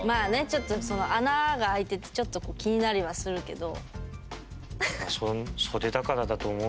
ちょっとその穴があいててちょっと気になりはするけど。